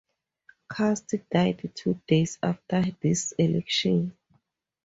Cust died two days after this election.